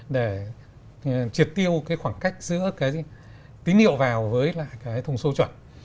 để triệt tiêu khoảng cách giữa tín hiệu vào với thông số chuẩn